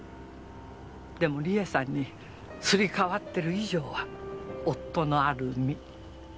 でも理恵さんにすり替わってる以上は夫のある身。